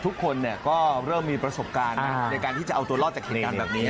ทุกคนก็เริ่มมีประสบการณ์ในการที่จะเอาตัวรอดจากเหตุการณ์แบบนี้